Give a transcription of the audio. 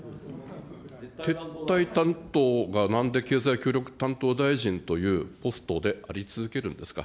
撤退担当がなんで経済協力担当大臣というポストであり続けるんですか。